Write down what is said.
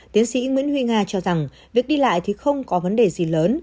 tiến sĩ nguyễn huy nga cho rằng việc đi lại thì không có vấn đề gì lớn